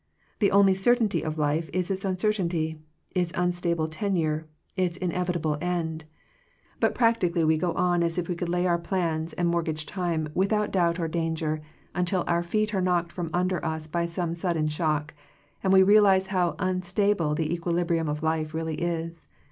The only certainty of life is its uncertainty — its unstable tenure, its in evitable end. But practically we go on as if we could lay our plans, and mort 117 Digitized by VjOOQIC THE ECLIPSE OF FRIENDSHIP gage time, without doubt or danger; un til our feet are knocked from under us by some sudden shock, and we realize how unstable the equilibrium of life really is.